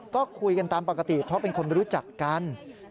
ก็คุยกันตามปกติเพราะเป็นคนรู้จักกัน